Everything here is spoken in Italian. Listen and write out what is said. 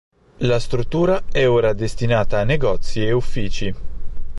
La struttura è ora destinata a negozi e uffici.